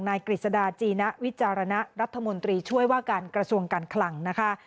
กฤษฎาจีนะวิจารณะรัฐมนตรีช่วยว่าการกระทรวงการคลังนะคะ